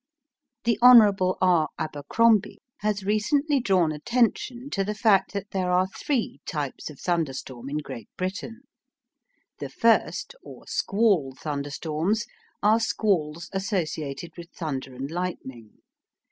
The Hon. R. Abercrombie has recently drawn attention to the fact that there are three types of thunderstorm in Great Britain. The first, or squall thunderstorms, are squalls associated with thunder and lightning.